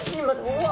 うわ！